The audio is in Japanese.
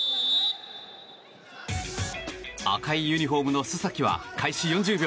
赤いユニホームの須崎は開始４０秒。